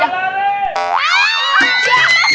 jangan masuk istri